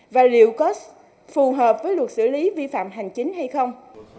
và liệu có phù hợp với luật xử lý vi phạm hành chính hay không